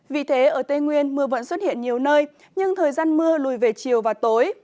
vì thế ở tây nguyên mưa vẫn xuất hiện nhiều nơi nhưng thời gian mưa lùi về chiều và tối